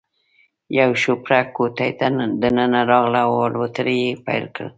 یو شوپرک کوټې ته دننه راغلی او الوتنې یې پیل کړې.